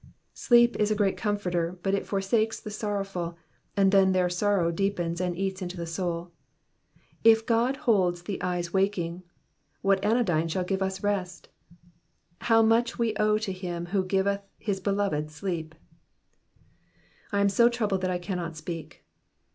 Sleep is & great comforter, but it forsakes the sorrowful, and then Digitized by VjOOQIC PSALM THE SEVEKTY SEVEXTH. 413 their sorrow deepens and eats into the sonl. If God holds the eyes waking, what anodyne shall give us rest? How much we owe to him who giveth his beloved sleep !•*/ am so troubled that I cannot ttpeak."